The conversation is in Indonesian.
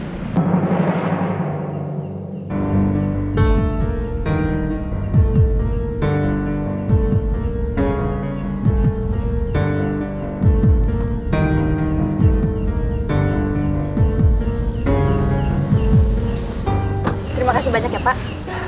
terima kasih banyak ya pak